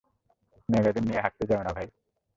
Magazine নিয়া হাগতে, যায়ো না ভাই।